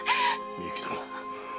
美雪殿。